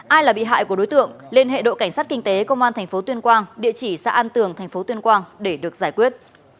ai là bị hại của đối tượng lên hệ độ cảnh sát kinh tế công an tp tuyên quang địa chỉ xã an tường tp tuyên quang để được giải quyết